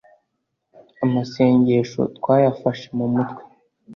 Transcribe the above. amasengesho twayafashe mu mutwe